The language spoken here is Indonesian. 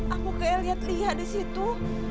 aku kayak liat liya disitu